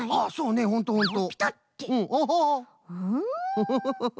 フフフフフ。